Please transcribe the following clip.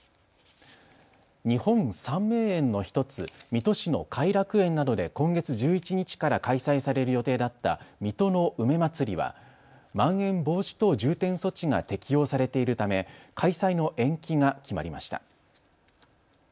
日本三名園の１つ、水戸市の偕楽園などで今月１１日から開催される予定だった水戸の梅まつりはまん延防止等重点措置が適用されているため開催の延期が決まりました。